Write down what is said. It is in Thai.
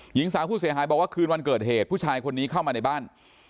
หญิงสาวผู้เสียหายบอกว่าคืนวันเกิดเหตุผู้ชายคนนี้เข้ามาในบ้าน